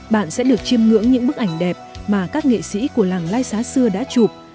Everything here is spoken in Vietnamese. bạn sẽ được chiêm ngưỡng những bức ảnh đẹp mà các nghệ sĩ của làng lai xá xưa đã chụp